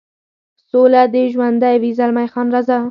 سوله دې ژوندی وي، زلمی خان: راځه.